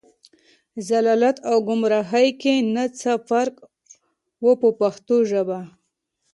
ضلالت او ګمراهۍ کې نه څه فرق و په پښتو ژبه.